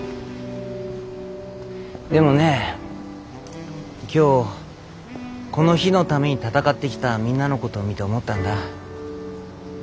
でもね今日この日のために闘ってきたみんなのことを見て思ったんだ。